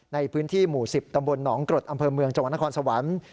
ในพื้นที่หมู่๑๐ตำบลหนองกรดอำเภอเมืองจังหวัดนครสวรรค์